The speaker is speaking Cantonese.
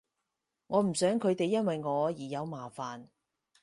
我唔想佢哋因為我而有麻煩